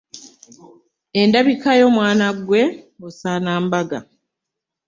Endakika yo mwana ggwe osaana mbaga.